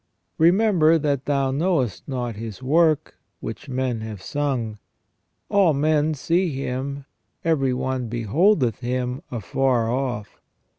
Remember that thou knowest not His work, which men have sung. All men see Him, every one beholdeth Him afar off.